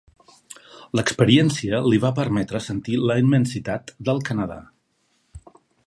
L'experiència li va permetre sentir la immensitat del Canadà.